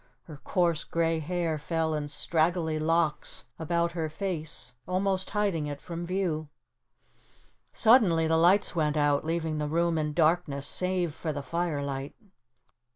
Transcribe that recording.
Her coarse, gray hair fell in straggly locks about her face almost hiding it from view. Suddenly the lights went out, leaving the room in darkness, save for the firelight.